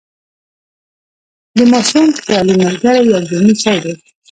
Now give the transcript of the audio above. د ماشوم خیالي ملګری یو ذهني شی دی.